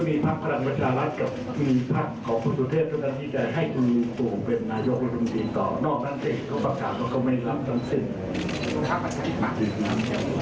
ก็มีภักดิ์พลังวัชฌาลัศน์กับมีภักดิ์ของคุณสุธรเทศเท่านั้นที่จะให้คุณลูกภูมิเป็นนายกลุ่มจีนต่อนอกนั้นที่เขาประกาศแล้วก็ไม่รับทั้งสิ่ง